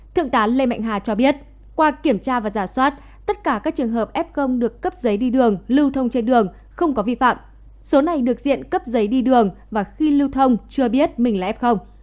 thượng tá lê mạnh hà cho biết qua kiểm tra và giả soát tất cả các trường hợp f được cấp giấy đi đường lưu thông trên đường không có vi phạm số này được diện cấp giấy đi đường và khi lưu thông chưa biết mình là f